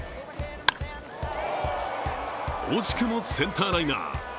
惜しくもセンターライナー。